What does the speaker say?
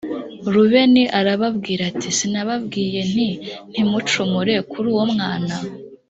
rubeni arababwira ati sinababwiye nti ntimucumure kuri uwo mwana